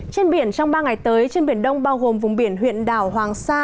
trên biển trong ba ngày tới trên biển đông bao gồm vùng biển huyện đảo hoàng sa